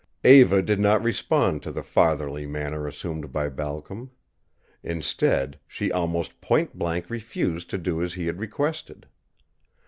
Eva did not respond to the fatherly manner assumed by Balcom. Instead she almost point blank refused to do as he had requested.